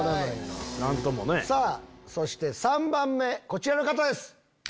そして３番目こちらの方です。